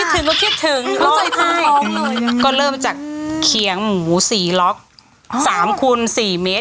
คิดถึงก็คิดถึงไม่เข้าใจท้องเลยก็เริ่มจากเขียงหมูสีล็อคสามคูณสี่เมตร